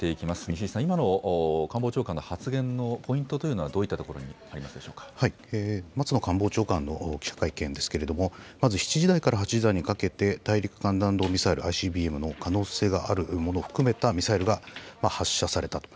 西井さん、今の官房長官の発言のポイントというのはどういったと松野官房長官の記者会見ですけれども、まず７時台から８時台にかけて、大陸間弾道ミサイル・ＩＣＢＭの可能性があるものを含めたミサイルが発射されたと。